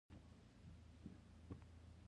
د هغه د ذهن په کلي کې یوه لویه پوښتنه تل ګرځېده: